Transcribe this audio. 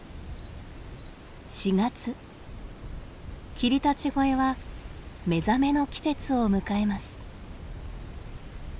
霧立越は目覚めの季節を迎えます。